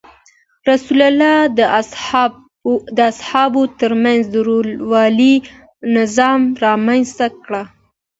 رسول الله د صحابه وو تر منځ د ورورولۍ نظام رامنځته کړ.